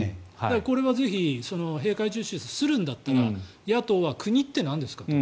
これは閉会中審査をするんだったら野党は国ってなんですかと。